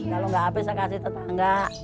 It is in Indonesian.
kalau nggak habis saya kasih tetangga